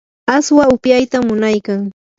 aswa upyaytam munaykan.